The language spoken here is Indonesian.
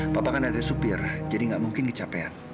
papa kan ada supir jadi gak mungkin kecapean